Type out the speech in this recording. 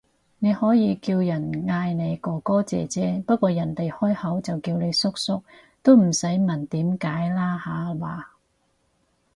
你可以叫人嗌你哥哥姐姐，不過人哋開口就叫你叔叔，都唔使問點解啦下話